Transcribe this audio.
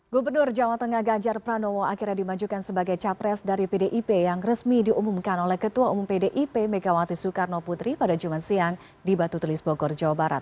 gubernur jawa tengah ganjar pranowo akhirnya dimajukan sebagai capres dari pdip yang resmi diumumkan oleh ketua umum pdip megawati soekarno putri pada jumat siang di batu tulis bogor jawa barat